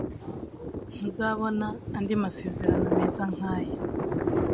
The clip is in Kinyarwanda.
Ntuzabona andi masezerano meza nkaya